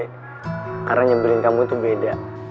karena nyebelin kamu tuh beda